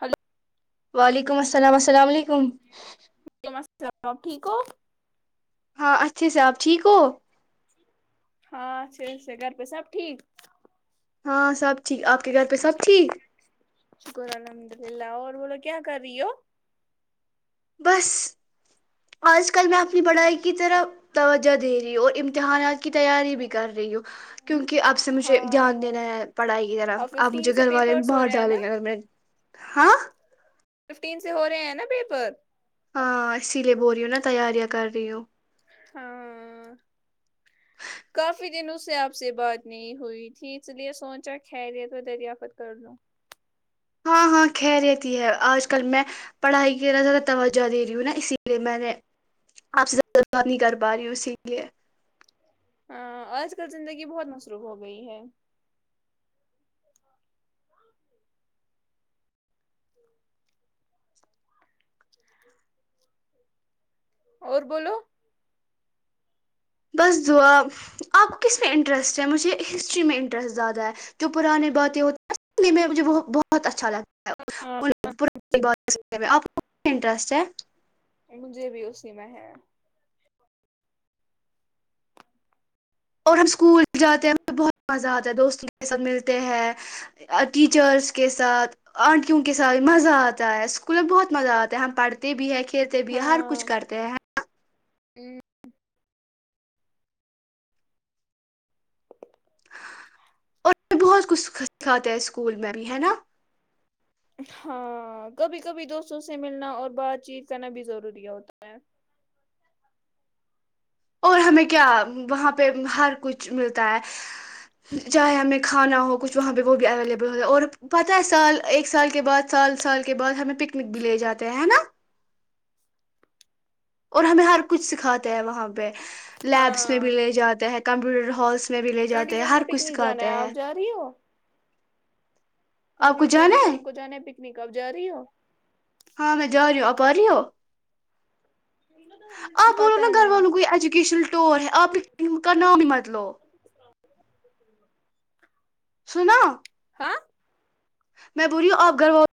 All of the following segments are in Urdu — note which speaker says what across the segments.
Speaker 1: ہلو
Speaker 2: [unintelligible]
Speaker 1: س ٹھیک ہو
Speaker 2: ہاں اچھے سے آپ ٹھیک ہو
Speaker 1: ہاں چس گھر پہ سب ٹھیک
Speaker 2: ہاں سب ٹھیک آپ کے گھر پہ سب ٹھیک
Speaker 1: ل اور بولو کیا کر رہی ہو
Speaker 2: بس آج کل میں اپنی پڑھائی کی طرح توجہ دے رہی ہوں اور امتحانات کی تیاری بھی کر رہی ہوں کیونکہ آب سے مجھے دھیان
Speaker 1: ہاں
Speaker 2: دینا ہے پڑھائی کی طرح
Speaker 1: اور
Speaker 2: آپ
Speaker 1: ففٹین
Speaker 2: مجھے
Speaker 1: سے
Speaker 2: گھر والے
Speaker 1: پیپرس ہو
Speaker 2: بر
Speaker 1: رہے ہیں
Speaker 2: ڈالیں
Speaker 1: نا
Speaker 2: گے گھر میں ہاں
Speaker 1: ففٹین سے ہو رہے ہیں نا پیپر
Speaker 2: ہاں سلے بوریو نا تیاریاں کر جو
Speaker 1: ہاں کافی دن اس سے آپ سے بات نہیں ہوئی تھی اس لیے سوچا خیر تو دریافت کر لو
Speaker 2: ہاں ہاں کہہ رہتی ہے آج کل میں پڑھائی کی زیادہ توجہ دے رہی ہوں نا اسی لیے میں نے آپ سے زیادہ نہیں کر پا رہی ہ اسی لیے
Speaker 1: ہ آج کل زندگی بہت مصروف ہو گئی ہے اور بولو
Speaker 2: بس دع آپ کو کس میں انٹرسٹ ہے مجھے ہسٹری میں انٹرسٹ زیادہ ہے جو پرانانی باتیں ہوتی ہیںنے میں مجھے بہت اچھا لگتا ہے اپٹرسٹ ہے
Speaker 1: مج بھی اسی میں ہے
Speaker 2: اور ہم اسکول جاتے ہیں بہت مزہ آتا ہے دوستوں کے ساتھ ملتے ہیں ٹیچرس کے ساتھ آنٹیوں کے ساتھ مزہ آتا ہے اسکول میں بہت مزہ آتا ہے ہم پڑھتے بھی ہیں کھیلتے بھی ہر کچھ کرتے ہیں
Speaker 1: ہ [inaudible]
Speaker 2: اور بہت کچھ سکھاتے ہیں اسکول میں بھی ہے نا
Speaker 1: ہاں کبھی کبھی دوستوں سے ملنا اور بات چیت کرنا بھی ضروری ہوتا ہے
Speaker 2: اور ہمیں کیا وہاں پہ ہر کچھ ملتا ہے چاہے ہمیں کھانا ہو کچھ وہاں پہ وہ بھی اویلیبل ہوتا اور پتہ ہے سال ایک سال کے بعد سال سال کے بعد ہمیں پکنک بھی لے جاتے ہیں ہے نا اور ہمیں ہر کچھ سکھاتے ہیں وہاں پہ لیبس میں بھی لے جاتے ہیں کمپیوٹر ہس
Speaker 1: ٹینٹی سیون کو پکنک جانا ہے آپ جا رہی ہو [inaudible]
Speaker 2: آپ کو جانا
Speaker 1: ٹئٹی سیون کو جانا ہے پک اب جا رہی ہو [inaudible]
Speaker 2: ہاں میں جہ رہی ہوں اپپہر ہ [inaudible] آپ بولو نا
Speaker 1: پتہ
Speaker 2: گھر
Speaker 1: نہیں
Speaker 2: والوں کو ایجوکیشن ٹور ہے آپ کا نام ہی بتلو
Speaker 1: [inaudible]
Speaker 2: سنا [inaudible]
Speaker 1: ہاں
Speaker 2: میں بولیی ہوں آپ گھرو [inaudible]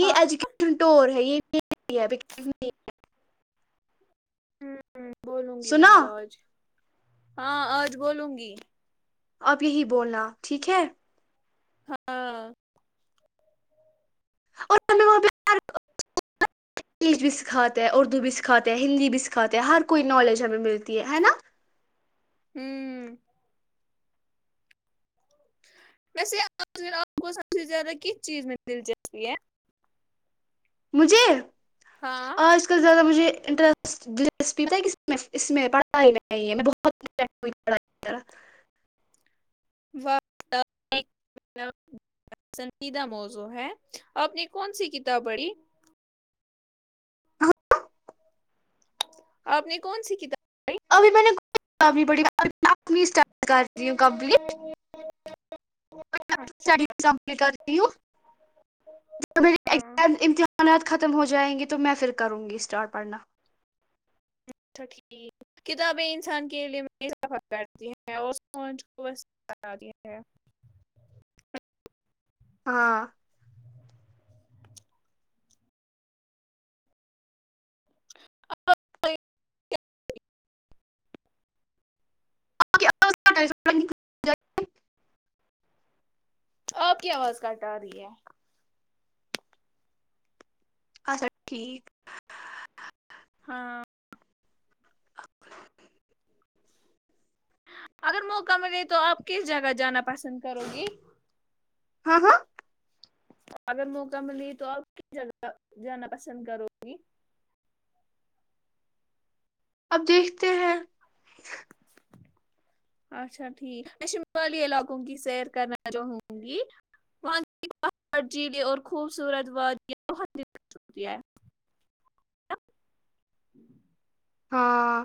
Speaker 2: یہ
Speaker 1: ہاں
Speaker 2: اجوک نٹور ہے یہ بھی [inaudible]
Speaker 1: ہوں [inaudible] بولوں گی
Speaker 2: سنا
Speaker 1: میں ابوج [inaudible] ہاں آج بولوں گی [inaudible]
Speaker 2: اب یہی بولنا ٹھیک ہے [inaudible]
Speaker 1: ہاں [inaudible]
Speaker 2: اور ہمیں وہاں پہ ہ انگلش بھی سکھاتے ہیں اردو بھی سکھاتے ہیں ہندی بھی سکھاتے ہیں ہر کوئی نالج ہمیں ملتی ہے ہے نا
Speaker 1: ہوں [inaudible] ویسے آج آپ کو سب سے زیادہ کس چیز میں دلچسپی ہے
Speaker 2: مجھے
Speaker 1: ہاں
Speaker 2: آج کل زیادہ مجھے انٹرس دلچسپی ہوتا اس میں پڑھائی میں ہے میں بہت
Speaker 1: پسندیدہ موضو ہے آپ نے کون سی کتاب پڑھی آپ نے کون سی کتاب
Speaker 2: ابھی میں نے [unintelligible] کر رہی ہوں کمپلیٹی کمپٹ کر رہی ہوں
Speaker 1: ہاں
Speaker 2: مگزام امتحانات خ ختم ہو جائیں گی تو میں پھر کروں گی اسٹار پڑھنا
Speaker 1: اچھا ٹھیک کتابیں انسان کے لیےرتی ہیں اور کو
Speaker 2: ہاں [unintelligible]
Speaker 1: آپ کی آواز کٹ آ رہی ہے
Speaker 2: اچھا ٹھیک
Speaker 1: ہاں اگر موقع ملے تو آپ کس جگہ جانا پسند کرو گی
Speaker 2: ہاں ہاں
Speaker 1: اگر موقع ملی تو آپ کس جگہ جانا پسند کرو گی
Speaker 2: اب دیکھتے ہیں
Speaker 1: اچھا ٹھیک میں شمالی علاقوں کی سیر کرنا چاہوں گی وہاں چیل اور خوبصورت وادیاں بت ہو ہے
Speaker 2: ہاں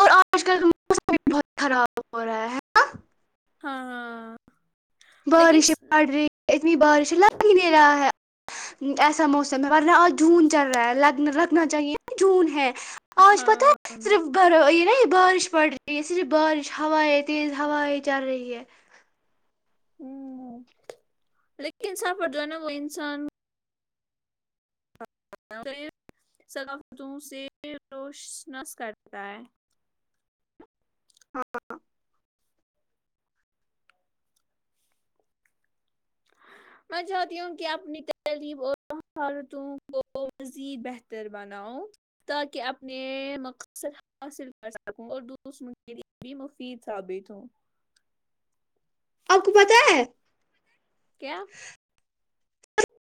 Speaker 2: اور آج کل کا موسم بھی بہت خراب ہو رہا ہے نا
Speaker 1: ہاں ہاں
Speaker 2: بارش
Speaker 1: لیکن
Speaker 2: پڑ رہی ہے اتنی بارش لگ ہی نہیں رہا ہے ایسا موسم ہے آج جون چل رہا ہے ل لگنا چاہیے جون ہے آج پتہ
Speaker 1: ہاں
Speaker 2: ہے صرف ب یہ نا بارش پڑ رہی ہے صرف بارش ہوائیں تیز ہوائیں چل رہی ہے
Speaker 1: ہ لیکن سپٹ جو ہے نا وہ انسان کاریر ثقافتوں سے روشنس کرتا ہے
Speaker 2: ہاں
Speaker 1: میں چاہتی ہوں کہ اپنی تہلیب اور مالتوں کو مزید بہتر بناؤ تاکہ اپنے مقصد حاصل کر سکوں اور دو لیے بھی مفید ثابت ہ
Speaker 2: آپ کو پتہ ہے
Speaker 1: کیا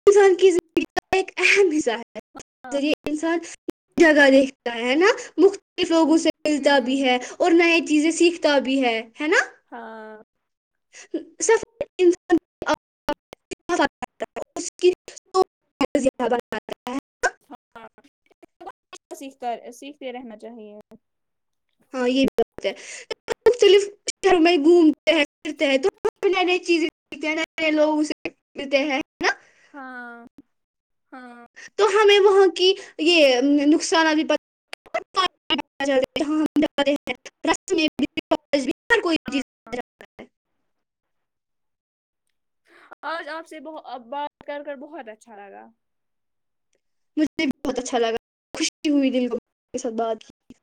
Speaker 2: انسان کی زندگی کا ایک اہم حصہ ہے ج ذریعے انسان جگہ دیکھتا ہے ہے نا مختلف لوگوں سے ملتا بھی
Speaker 1: ہوں
Speaker 2: ہے اور نئے چیزیں سیکھتا بھی ہے ہے نا
Speaker 1: ہاں
Speaker 2: [unintelligible]
Speaker 1: سیکھتے رہنا چاہیے
Speaker 2: ہاں یہ بھی بات ہے مختلف شہروں میں گھومتے ہیں پھرتے ہیں تو نئی نئی چیزیں دیکھتے ہیں نئے نئے لوگ اسے پھرتے ہیں نا
Speaker 1: ہاں ہاں
Speaker 2: تو ہمیں وہاں کی یہ نقصان ا بھی پ [unintelligible] ال ہر کوئی بھی چیز [unintelligible]
Speaker 1: آج آپ سے بات کر کر بہت اچھا لگا [unintelligible]
Speaker 2: مجھے بھی بہت اچھا لگا خوشی ہوئی دل کو کے ساتھ بات کی [unintelligible]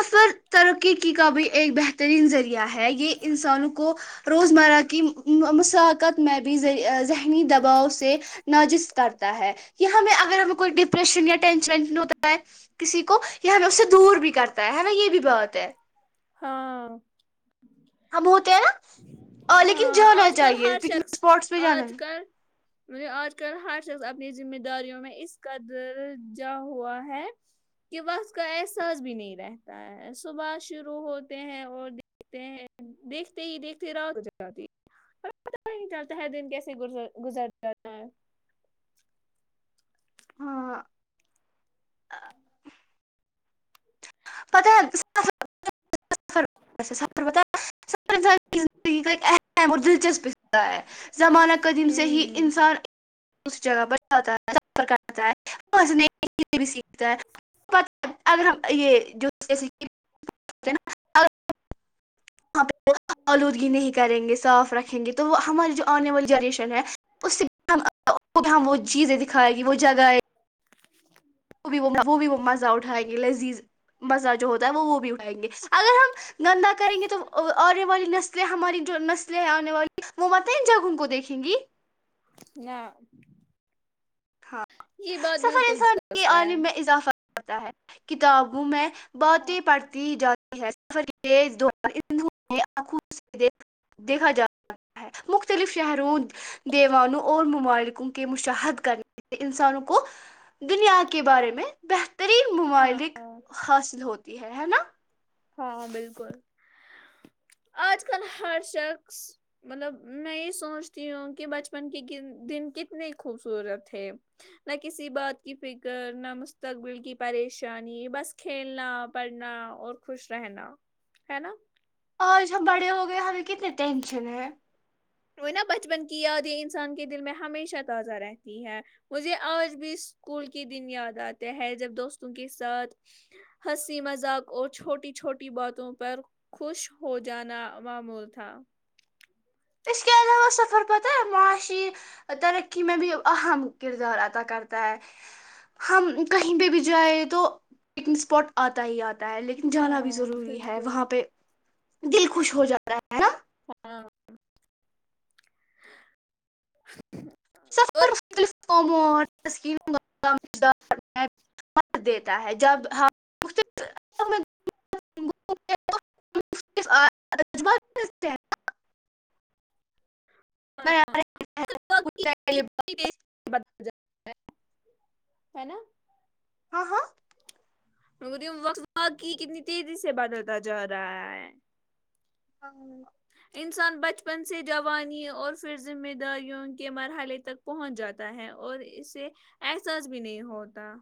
Speaker 2: سفر ترقی کا بھی ایک بہترین ذریعہ ہے [unintelligible] یہ انسانوں کو روزمرہ کی مسقت میں بھیری [unintelligible] ذہنی دباؤ سے نجز کرتا ہے ہمیں اگر ہمیں کوئی ڈپریشن یا ٹینشنش ہوتا ہے کسی کو [unintelligible] ہمیں اس سے دور بھی کرتا ہے ہما یہ بھی بہت ہے [unintelligible]
Speaker 1: ہاں
Speaker 2: ہم ہوتے ہیں نا لیکن
Speaker 1: ہاں
Speaker 2: جانا
Speaker 1: آج کل
Speaker 2: چاہیے
Speaker 1: ہر
Speaker 2: پکنک
Speaker 1: شخص
Speaker 2: اسپاٹس پہ جانا
Speaker 1: آج
Speaker 2: ہے
Speaker 1: کل مط آج کل ہر [unintelligible] شخص اپنی ذمہ داریوں میں اس کا درجہ ہوا ہے کہ وقت کا احساس بھی نہیں رہتا ہے سباش [unintelligible] شروع ہوتے ہیں اور دیکھتے ہیں دیکھتے ہی دیکھتے رات ہو جاتی پت ہی نہیں چلتا ہے دن کیسے گزر جاتا ہے [unintelligible]
Speaker 2: ہاں ہاں [unintelligible] پت ہے [unintelligible]
Speaker 1: ا [unintelligible]
Speaker 2: زندگی کا ایک اہم اور دلچسپ [unintelligible] ہوتا ہے زمانہ قدیم سے ہی
Speaker 1: ہوں
Speaker 2: انسان [unintelligible] اس جگہ پر جاتا ہے ستا ہے بھی سیکھتا ہے اگر ہم یہ جو جے نا [unintelligible] ہ [unintelligible] الودگی نہیں کریں گے صاف رکھیں گے تو ہماری جو انے والی جاریشن ہے اس سے ہم وہ چیز دکھائے گی وہ جگہ ہے [unintelligible] وہ بھی وہ بھی وہ مزہ اٹھائیں گے لذیذ مزہ جو ہوتا ہے وہ وہ بھی اٹھائیں گے اگر ہم گندہ کریں گے تو [unintelligible] آنے والی نسلیں ہماری جو نسلیں ہیں آنے والی وہ مت جگہوں کو دیکھیں گی [unintelligible]
Speaker 1: نہ
Speaker 2: ہاں
Speaker 1: یہ بات
Speaker 2: سفر
Speaker 1: بالکل
Speaker 2: انسان کی
Speaker 1: درست ہے
Speaker 2: عالم میں اضافہ [unintelligible] پتا ہے کتابوں میں [unintelligible] بہٹی پرڑتی جا [unintelligible] سفر کے دورانکھوں دیکھا جا ہے مختلف شہروں دیوانوں اور ممالکوں کے مشاہد کرنے [unintelligible] انسانوں کو دنیا کے بارے میں [unintelligible] بہترین
Speaker 1: ہاں
Speaker 2: ممالک حاصل ہوتی ہے ہے نا [unintelligible]
Speaker 1: ہاں بالکل آج کل ہر شخص مطلب میں یہ سوچتی ہوں کہ بچپن کے دن کتنی خوبصورت ہے نہ کسی بات کی فکر نہ مستقبل کی پریشانی بس کھیلنا پڑھنا اور [unintelligible] خوش رہنا ہے نا [unintelligible]
Speaker 2: آج ہم بڑے ہو گئے ہمیں کتنی ٹینشن ہے [unintelligible]
Speaker 1: وہ نا بچپن کی یادیں انسان کے دل میں ہمیشہ تازہ رہتی ہے مجھے آج بھی اسکول کے دن یاد آتے ہے جب دوستوں کے ساتھ ہنسی مذاق اور چھوٹی چھوٹی باتوں پر خوش ہو جانا معمول تھا [unintelligible]
Speaker 2: اس کے علاوہ سفر پتہ ہے معاشی ترقی میں بھی اہم کردار ادا کرتا ہے ہم کہیں پہ بھی جائیں تو پکنک اسپاٹ آتا ہی آتا [unintelligible] لیکن جانا بھی
Speaker 1: ہاں
Speaker 2: ضروری ہے
Speaker 1: بالکل
Speaker 2: وہاں پہ [unintelligible] دل خوش ہو جا رہا ہے نا [unintelligible]
Speaker 1: ہاں [unintelligible]
Speaker 2: س
Speaker 1: اور
Speaker 2: [unintelligible] دیتا ہے جب [unintelligible] [unintelligible]
Speaker 1: بدل جاتا ہے ہے نا
Speaker 2: ہاں ہاں
Speaker 1: م وق وا کی کتنی تیزی سے بدلتا جا رہا ہے
Speaker 2: ہ
Speaker 1: انسان بچپن سے جوانی اور پھر ذمہ داریوں کے مرحلے تک پہنچ جاتا ہے اور اسے احساس بھی نہیں ہوتا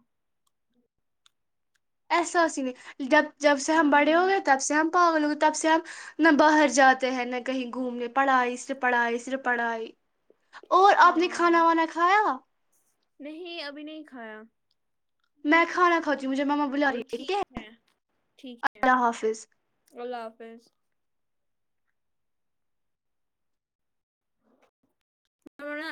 Speaker 2: احساس نہیں ڈب جب سے ہم بڑے ہو
Speaker 1: ہاں
Speaker 2: گئے تب سے ہم پا ل تب سے ہم نہ باہر جاتے ہیں نہ کہیں گھومنے پڑھائی سر پڑھائی سر پڑھائی اور آپ نے
Speaker 1: ہاں
Speaker 2: کھانا وانا کھایا
Speaker 1: نہیں ابھی نہیں کھایا
Speaker 2: میں کھانا کھاتی ہوں مجھے مما بلا رہی ہے ٹھیک ہے
Speaker 1: ٹھیک ہے
Speaker 2: اللہ حافظ
Speaker 1: اللہ حافظ چرا